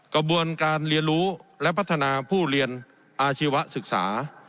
กระบวนการเรียนรู้และพัฒนาผู้เรียนอาชีวศึกษา